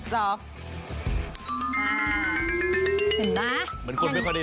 เห็นมั้ย